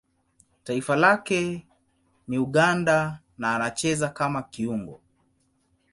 Taifa lake ni Uganda na anacheza kama kiungo.